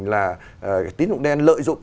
là tín dụng đen lợi dụng